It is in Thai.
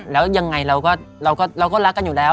แล้วยังไงเราก็เราก็เราก็รักกันอยู่แล้ว